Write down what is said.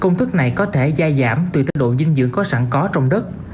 công thức này có thể giai giảm tùy tốc độ dinh dưỡng có sẵn có trong đất